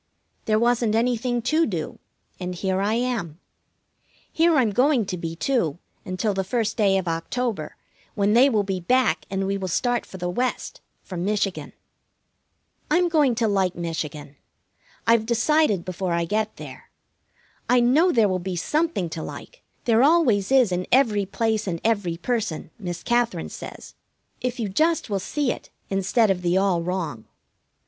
There wasn't anything to do, and here I am. Here I'm going to be, too, until the first day of October, when they will be back, and we will start for the West, for Michigan. I'm going to like Michigan. I've decided before I get there. I know there will be something to like, there always is in every place and every person, Miss Katherine says, if you just will see it instead of the all wrong.